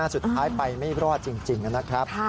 สุดท้ายไปไม่รอดจริงนะครับ